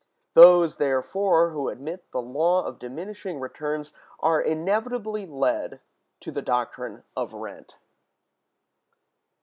Those, therefore, who admit the law of diminishing returns are inevitably led to the doctrine of rent.